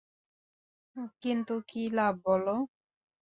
কিন্তু, কি লাভ বলো?